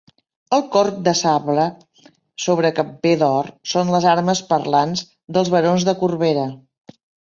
El corb de sable sobre camper d'or són les armes parlants dels barons de Corbera.